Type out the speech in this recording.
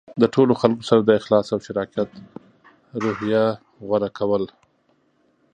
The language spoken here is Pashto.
د ټولو خلکو سره د اخلاص او شراکت روحیه غوره کول.